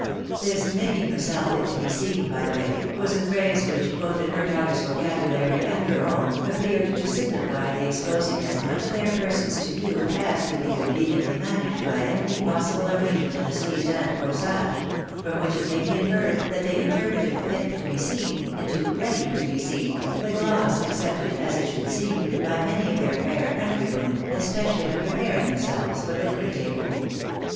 This " making herself fit to be seen," by the way, was a phrase which, both in her daughter's vocabulary and her own, appeared to signify the ex posing as much of their persons to view as could be conveniently managed by any possible arrangement of the sleeves and corsage ; from which it may be inferred that they interpreted Jit to be seen, 224 THE BAKJ^ABYS i.N Ajvir.nn^^v. into ready to be seen, a gloss accepted, as it sliould seem, by mariy of their fair countrywomen, especially when preparing themselves for the dinner table.